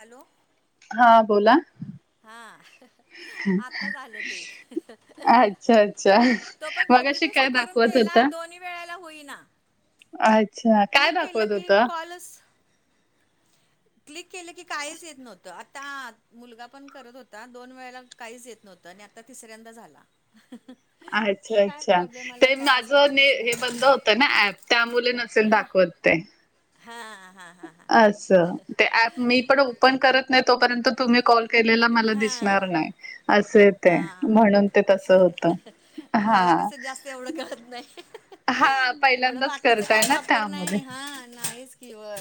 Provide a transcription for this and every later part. Hello हा बोला. हा. आताच झाल ते. अच्छा अच्छा तो पण कॉपी मगाशी पेस्ट काय करून दाखवत केला. होता दोन्ही वेळेला होईना. अच्छा काय क्लिक केल दाखवत की होता कॉलस क्लिक केलं की काहीच येत नव्हत. आता मुलगा पण करत होता दोन वेळेला काहीच येत नव्हतं आणि आता तिसऱ्यांदा झाला. अच्छा काय अच्छा! प्रॉब्लेम आला ते काय माझं समजलंच हे नाही बंद होतं ना ऍप त्यामूळ नसेल दाखवत ते. हा हा हा हा हा. ते अॅप मी पण ओपन करत. नाही तोपर्यंत तुम्ही कॉल केलेला मला दिसणार नाही. असे ते हा म्हणून ते तसं असय होतं हा मला कस जास्त एवढ कळत नाही. हा एवढ पहिल्यांदाच बाकीचा करताय काय ना वापर त्यामुळे नाही हा नाहीच की होय.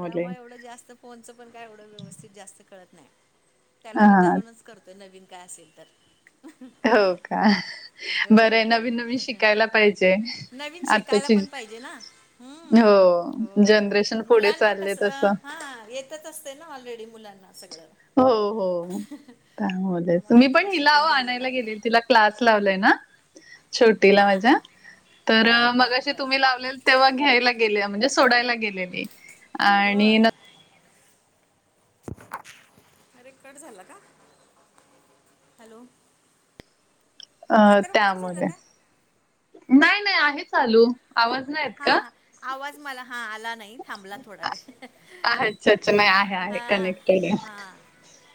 त्यामुळे एवढ जास्त. फोनच पण काय एवढ व्यवस्थित जास्त कळत नाही त्याला हा विचार. तो करतोय नवीन काय असेल तर. हो का होय बरं नवीन नवीन शिकायला पाहिजे. नविन शिकायला आताची पण पाहिजेन हो. जनरेशन पुढे मुलांना चालले कस. तसं. माहीतच असते ना ऑलरेडी मुलांना सगळ. हो हो. आम्हाला मी पण जरा हिला शिकून घ्यायला आणायला लागतंय. गेले तिला क्लास लावलाय ना छोटीला हां माझ्या. हां तर बर मग बर मगाशी बर तुम्ही लावलेल तेव्हा घ्यायला गेले म्हणजे सोडायला गेलेली. होय. आणि न अरे कट झाला का हॅलो. अ आता रप कट झाला त्यामुळे का नाही नाही आहे चालू आवाज नाहीेत का. हां हां आवाज मला हा आला नाही थांबला थोडा वेळ हा. ते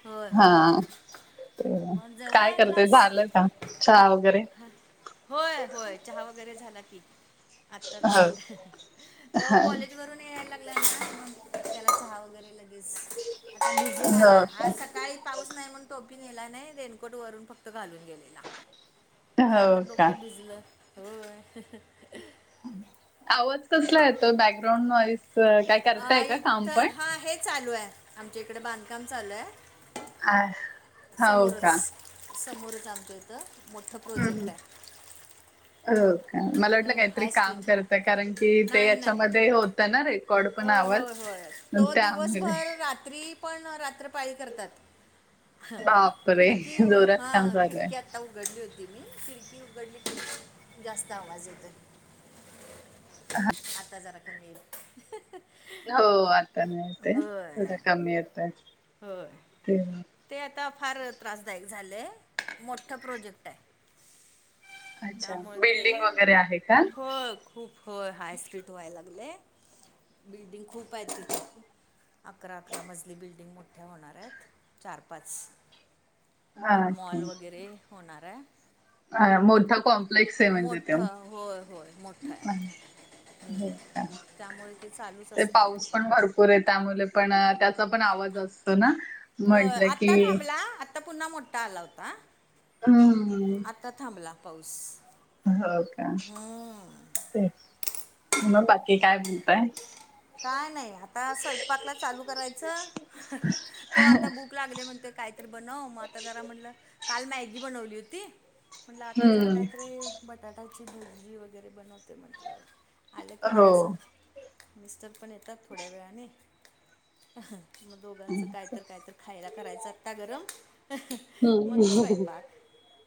हो हो हो. काय करतय झालं का चहा वगैरे. होय होय चहा वगैरे झाला की आताच हो. तो हां. कॉलेजवरून. आला की लगेच त्याला चहा वगैरे. आता भिजुन आला हो का? आज सकाळी. पाऊस नाही म्हणुन टोपीनेली नाही रेनकोट वरून फक्त घालून गेलेला. मग आता हो का? डोकं भिजल होय. आवाज कसला येतो बॅकग्राउंड वाईज काय. आ करताय का काम इथं पण? हा हे चालू आहे आमच्या इकडे बांधकाम चालू आहे. हा. समोरच समोरच आमच्याइथ मोठा हम्म हम्म. प्रोजेक्ट आहे. हो का मला वाटल काहीतरी हाय काम स्ट्रीट करत कारण की ते नाही नाही याच्यामध्ये होताना रेट. होय होय होय तो दिवसभर रात्री. पण रात्र पाळी करतात बापरे खिडकी जोरात हा काम चालू आहे खिडकी आता. उघडली होती मी खिडकी उघडली जास्त आवाज येतो हा आता जरा कमी येईल. हो आता नाही येत आहे होय थोडा कमी येतोय. होय ते आता फार त्रासदायक झाल आहे मोठा प्रोजेक्ट आहे. अच्छा त्यामुळे ते बिल्डिंग वगैरे आहे का? होय खूप. होय हाय स्ट्रीट व्हायला लागले बिल्डिंग खूप आहे तिथे. अकरा अकरा मजली बिल्डिंग मोठ्या होणार आहेत चार पाच हा मॉल वगैरे होणार आहे. अ मोठा कॉम्प्लेक्स आहे म्हणजे ते. मोठं होय होय मोठं आहे हो का? त्यामुळे ते चालूच ते असते पाऊस पण भरपूरे, त्यामुल पण त्याचा पण आवाज असतो ना. होय. म्हटलं की आत्ता थांबला आत्ता पुन्हा मोठ्ठा आलाउता. हम्म. आत्ता थांबला पाऊस. हो का? हम्म. तेच. मग बाकी काय म्हणताय? काय नाई. आता स्वयपाकला चालू करायचं. हं हं तो आता बुक भूक लागलीय म्हणतोय कायतरी बनव, मग आता जरा म्हणलं काल मॅगी बनवली हुती म्हटलं आता जरा हम्म कायतरी बटाट्याची भजी वगैरे बनवते म्हटलं. आलं की हो. जरास मिस्टर पण येतात थोड्या वेळाने, अ हा, मग दोघांचं काय तर काय तर खायला करायच आता गरम अ हं मग हम्म. स्वयपाक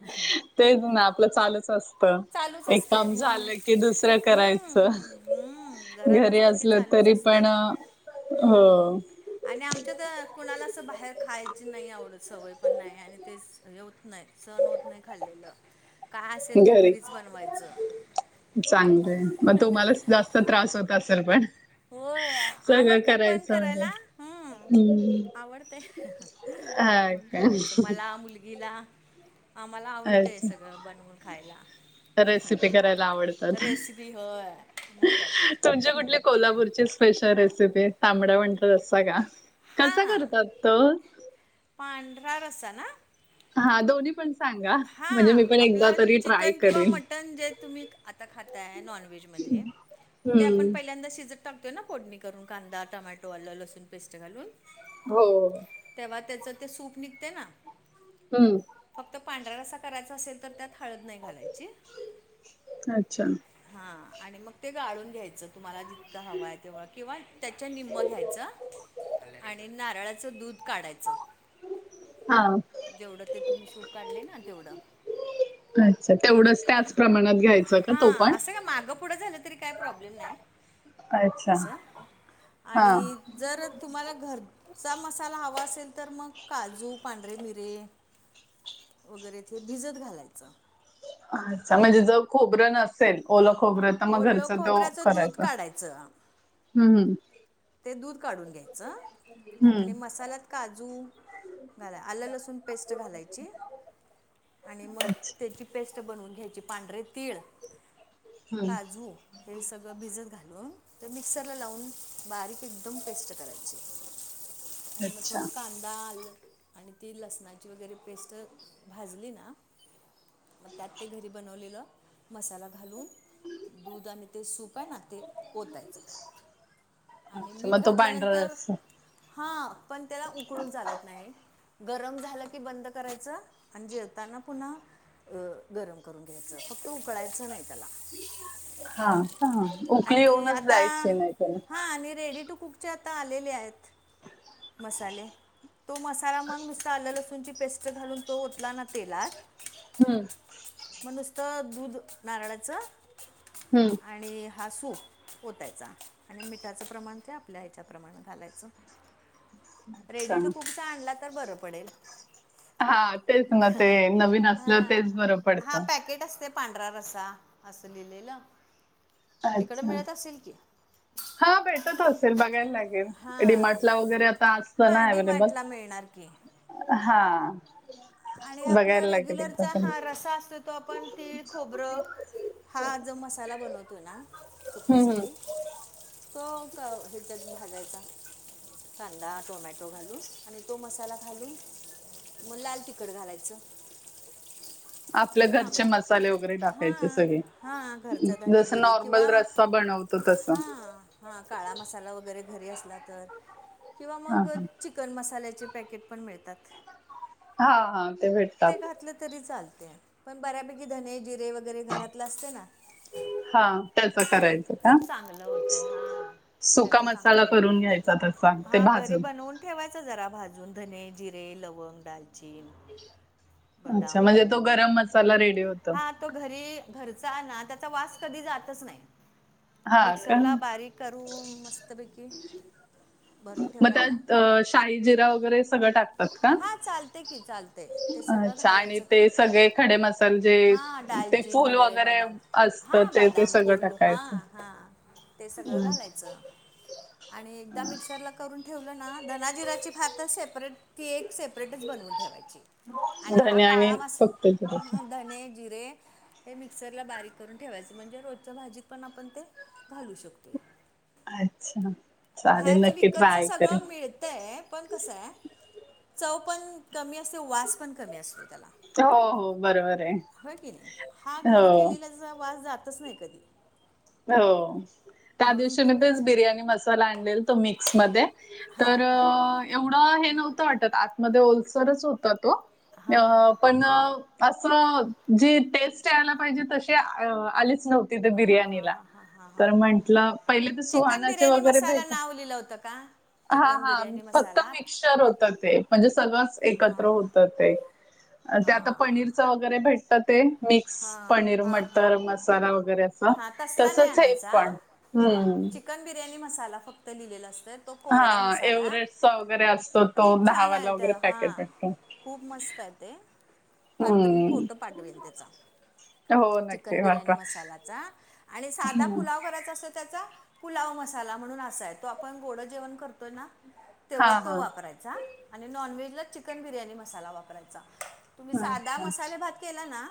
अ हं. तेच ना आपलं चालच अस त चालूच एक असते काम मग झालं की दुसरं करायचं. हम्म, हम्म. घरात घरी की असलं चालूच तरी असते पण. हो. हम्म. आणि आमच्यात कुणाला असं बाहेर खायची नाई आवडत सवय पण नाययाय आणि तेच य होत नाय. सण होत नाय खाल्लेलं. काय असेल ते घरी. घरीच बनवायचं चांगलंय. मग तुम्हाला जास्त त्रास होत असल पण. होय. सगळं आवडतंय पण करायचं म्हणजे. करायला. हम्म. हम्म आवडतय. हं हं हा म्हणून का करायचं मला मुलगीला. आम्हाला आवडतंय अच्छा. सगळं बनवून खायला. रेसिपी करायला आवडतात. रेसिपी होय मग काय तर तुमचे कुठले कोल्हापूरचे स्पेशल रेसिपीए तांबडा पांढरा रस्सा का? कसा हां करतात तो? पांढरा रस्सा ना? हा दोन्ही पण सांगा. हा. म्हणजे मी पण एकदा आपलं तरी ट्राय चिकन किंवा करेन. मटन जे तुम्ही आता खाताय नॉनव्हेज मधे, ते आपण हं. पहिल्यांदा शिजत टाकतो ना फोडणी करून कांदा, टोमॅटो, आलं-लसूण पेस्ट घालून. हो. तेव्हा त्याचं ते सूप निघतय ना? हम्म. फक्त पांढरा रस्सा करायचा असेल तर त्यात हळद नाई घालायची. अच्छा. हा आणि मग ते गाळून घ्यायचं तुम्हाला जी तक हवाय किंवा त्याच्या निम्म घ्यायच आणि नारळाचं दूध काढायच. हां. जेवढं ते तुम्ही सूप काढलय ना, तेवढं. अच्छा. तेवढंच त्याच प्रमाणात घ्यायचं का तो हां, पण? असं काय मागं पुढं झालं तरी काय प्रॉब्लेम नाय अच्छा. तसं हां. आणि जर तुम्हाला घरचा मसाला हवा असेल तर मग काजू, पांढरे मिरे वगैरेत हे भिजत घालायचं. अच्छा. म्हणजे जर खोबरं नसेल, ओल खोबर तर मग ओलं घरच तो खोबऱ्याचं दूध करायचं. काढायचं हम्म हम. ते दूध काढून घ्यायचं आणि हं. मसाल्यात काजू घाला आलं लसूण पेस्ट घालायची. आणि मग अच्छा. तेची पेस्ट बनवून घ्यायची. पांढरे तीळ, हं. काजू, हे सगळं भिजत घालून ते मिक्सरला लावून. बारीक एकदम पेस्ट करायची आणि मग थोड अच्छा. कांदा आल. आणि ती लसणाची वगैरे पेस्ट भाजली ना मग त्यात ते घरी बनवलेलं मसाला घालून. दूध आणि ते सूप आहे ना ते ओतायचं त्यात. आणि अच्छा मीठ मग तो पांढरा घातल्यानंतर रस्सा हा पण त्याला उकळून चालत नाही. गरम झालं की बंद करायचं अन् जेवताना पुन्हा. अ गरम करून घ्यायचं फक्त उकळायचं नाही त्याला. हा हा उकली येऊनच द्यायची नाही तेला. हा आणि रेडी टू कुक. चे आता आलेले आहेत. मसाले तो मसाला मग नुसता लसूची पेस्ट घालून तो होतला ना तेलात. हम्म. मग नुसतं दूध नारळाचं. हम्म. आणि हा सूप ओतायचा आणि मिठाचं प्रमाण ते आपल्या ह्याच्याप्रमाणे घालायचं. अच्छा रेडी टू कुकचा आणला तर बरं पडेल. हा तेच ना ह ते नवीन असलं हा हा तेच बरं हा पडतं. पॅकेट असते. पांढरा रसा असं लिहिलेलं. तिकडं अच्छा मिळत असेल की? हा भेटत असेल बघायला लागेल हां डिमार्टला वगैरे आता असतं ना अव्हेलेबल. ओके. हा आणि आपला बघायला लागेल एकदा रेग्युलरचा तरी. हा रसा असतो तो आपण तीळ खोबरं. हा जो मसाला बनवतो आहे ना हम्म हम्म. सुक्यासाठी. तो का हच्यात भाजायचा. कांदा टोमॅटो घालू आणि तो मसाला घालून मग लाल त. कड घालायचं. आपल्या तो घरचे तांबडा मसाले वगैरे हा टाकायचे सगळे. हा घरचा धने जसं जिरे किंवा नॉर्मल रस्सा बनवतो तसं. हा हा काळा मसाला वगैरे घरी असला तर किंवा हा मग हा चिकन मसाल्याचे पॅकेट पण मिळतात. हा हा ते भेट. ते घातलं तरी चालते पण बऱ्यापैकी धने जिरे वगैरे घरातलं असते ना. हा त्याच करायचं का? त्याचं चांगलं होतंय हा सुका त्याचं मसाला चांगलं करून घ्यायचा तसा ते भाजून. ठेवायच जरा भाजून धने जिरे लवंग दालचीन. अच्छा बदाम म्हणजे तो फूल गरम मसाला रेडी होतो. हा तो घरी घरचा ना त्याचा वास कधी जातच नाही. हा का मिक्सरला बारीक करून मस्तपैकी. भरून मग ठेवला ना त्यात शाई जिरा वगैरे सगळं टाकतात का? हा चालते की चालते ते सगळं अच्छा आणि घालायचं तर ते सगळे. खडे मसाले हा जे ते दालचीन फूल वगैरे बदाम असत हा ते ते बदाम सगळं फूल हा टाकायचं. हा ते सगळं हम्म. घालायचं आणि एकदा मिक्सरला करून. ठेवलं ना धना जिराची भात सेपरेट ती क एक सेप टच बनवून ठेवायची आणि हा धने काळा मास फक्त जिऱ्याचं. धने. जिरे हे मिक्सरला बारीक करून ठेवायच, म्हणजे रोजच्या भाजीत पण आपण ते घालू शकतो. अच्छा चालेल बाहेरच नक्की विकतच ट्राय करेन. सगळं मिळतय पण कसं ये, चव पण कमी असते, वास पण कमी असतो, त्याला. हो हो बरोबर ये. होय की नाही हा घरी केलेलाचा, वास जातच नाही कधी. हो. त्या म्हणून दिवशी ते मी तेच बिर्याणी मसाला आणलेल, तो मिक्स म हां तर हां एवढा हे नव्हतं वाटत, आतमध्ये ओलसरच होता तो, हां हां अ हां पण असं जी टेस्ट यायला पाहिजे, तशी आलीच नव्हती त्या हां हां बिर्याणीला. हां हां हां हां तर म्हंटलं, पहिले तर चिकन सुहानाचे बिर्याणी वगैरे मसाला भेट नाव लिहिलं होतं का हा चिकन हा बिर्याणी फक्त मसाला मिक्सर होतं ते, ल. म्हणजे सगळंच एकत्र हां होतं ते ते हां आता पनीरचं वगैरे भेटत ते, मिक्स हां पनीर मटर म साला वगैरे असा. तस्सा नाही आणायचा, हा चिकन बिर्याणी मसाला फक्त लिहिलेला असत. तो कोरडा हां. मसाला, एव्हरेस्टचा वगैरे असतो तो खूप छान आहे दहावाला वगैरे त हा. पॅकेट भेटतो. खूप मस्त ये ते. फार तर मी हम्म. फोटो पाठवेन त्याचा, हो चिकन नक्की बिर्याणी पाठवा. मसाला. आं, आणि साधा पुलाव बनवायचा असल त्याचा पुलाव मसाला म्हणून असाय, तो आपण गोड जेवण करतोय ना? तेव्हा हां, तो हां. वापरायचा आणि नॉनव्हेजला चिकन बिर्याणी मसाला वापरायचा. तुम्ही साधा अच्छा. मसाले भात केला ना,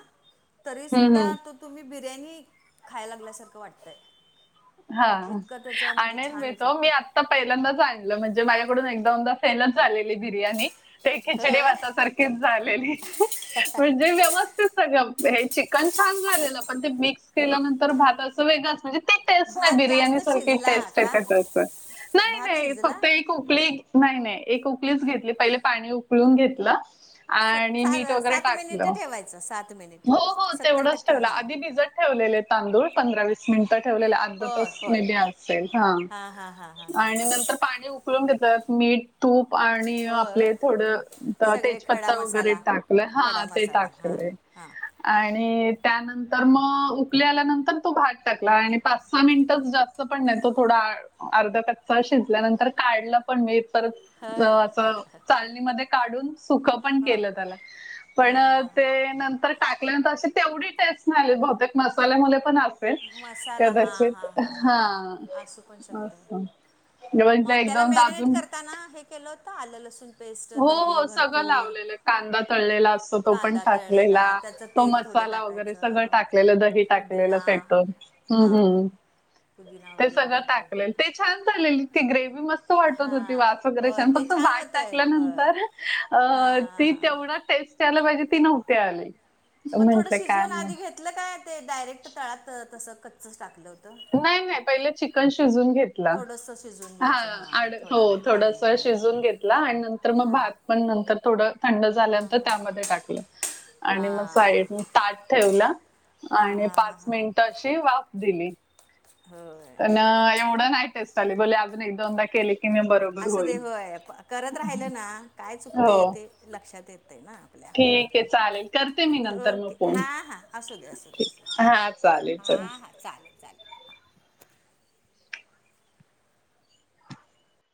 तरी हम्म, सुुद्धा हम्म. तो तुम्ही बिर्याणी खाया लागल्यासारखं वाटतय. हा आनेल छान मी तो, इफेक्ट मी आ ता पहिल्यांदाच आणलं, म्हणजे माझ्याकडून एक दोनदा फेलच झालेली बिर्याणी, ते खिचडी होय भातासारखीच झालेली, म्हणजे व्यवस तीत सगळं, हे चिकन छान झालेलं पण ते मिक्स केल्यानंतर भात असं वेगळंच, म्हणजे ते टेस्ट, नाही भात बिरयानी जास्त सारखी शिजला टेस्ट का येते त्याचं, भात नाही-नाही शिजला फक्त एक ऊकली, नाही नाही एक उकलीच घेतली, पहिले पाणी उकळून घेतलं. सत आणि सात मीठ वगैरे सात मिनिट टाकलं, ठेवायचं सात मिनिट हो हो सत्तर तेवढंच टक्के ठेवलं, हां आधी भिजत ठेवलेले तांदूळ, पंधरा वीस मिनिटात ठेवलेले अर्धा होय तास मे होय बी असेल, हां हा हा हा हा हा आणि हा नंतर पाणी उकळऊन घेतात, मीठ तूप आणि हो आपले थोडं सगळे खडा त-तेजपत्ता वगैरे मसाला टाकलंय, खडा हा ते मसाला हा टाकलेय. हा. आणि त्यानंतर मग उकली आल्यानंतर तो भात टाकला आणि पाच-सहा मिनिटच जास्त पण नाही, तो थोडा अर्धा कच्चा शिजल्यानंतर काढला पण मी परत ह तो असं चालणीमध्ये काढून सुक पण हा केलं त्याला, पण ते नंतर टाकल्यानंतर अशी तेवढी टेस्ट नाही, बहुतेक मसाल्या मदे पण असे मसाला हां हां हां हां हां असू पण शकत. असं म्हटलं मग त्याला एकदम मॅरिनेट दाबून करताना हे केलं का? आलं लसूण पेस्ट हो दही हो सगळं भरपूर लावलेलं कांदा तळलेला असतो, तो पण कांदा तळलेला टाकलेला. त्याचं तो तेल थोडं मसाला वगैरे सगळ टाकायचं टाकलेलं, दही पुदिना टाकलेलं, फेटून्. हां पुदिना ते वगैरे सगळं भरपूर टाकलेल ते छान झालेली ती ग्रेव मस्त. वाटत होती हां वास वगैरे हो ते फक्त छान वाट होतं आहे हो टाकल्यानंतर अ ती हां तेवढा. टस्ट आला पाहिजे ती नव्हती आली. मग थोडं म्हंटल काय शिजवून आधी नाही घेतलं काय ते डायरेक्ट तळात तसं कच्चच टाकलं होतं. नाही नाही पहिले चिकन शिजून घेत. थोडंसं शिजवून घ्यायचं हां थोडा वेळ पाणी थोडस हळद शिजून घेतला आणि नंतर मग भात पण नर थोडं थंड झाल्यानंतर त्यामध्ये टाकलं. आणि मग हां हां साईड ताट ठेवला हां आणि हां पाच हां हां मिनिटं अशी वाफ दिली. होय पण एवढं नाही टेस्ट आली बोले अजून एक दोनदा केले की मी बरोबर. असं दे होईल होय करत राहिलं ना काय हो चुकतंय ते लक्षात येतय ना आपल्याला. ठीक आहे चालेल. करते मी नंतर मग ओके फोन हां हां असू दे असू दे ठीक असू दे हां हा हां चालेल चल हां हां चालेल चालेल.